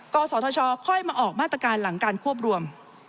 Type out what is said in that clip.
กศธชค่อยมาออกมาตรการหลังการควบรวม